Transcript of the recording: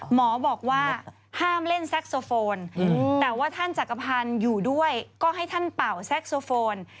หมอบอกว่าห้ามเล่นแซ็กโซโฟนแต่ว่าท่านจักรพันธ์อยู่ด้วยก็ให้ท่านเป่าแซ็กโซโฟน